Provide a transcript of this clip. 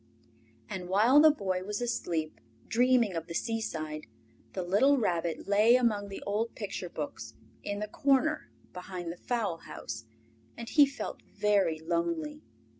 And while the Boy was asleep, dreaming of the seaside, the little Rabbit lay among the old picture books in the corner behind the fowl house, and he felt very lonely.